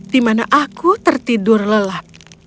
di mana aku tertidur lelap